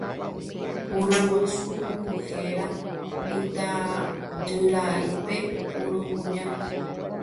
Uruguasu ombohéra itajyra'ípe Urukuña.